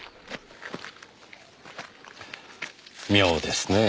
妙ですねえ。